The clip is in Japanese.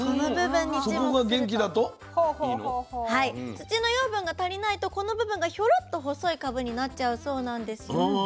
土の養分が足りないとこの部分がヒョロッと細いかぶになっちゃうそうなんです。